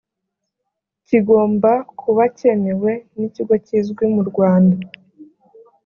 kigomba kuba cyemewe n ikigo kizwi mu rwanda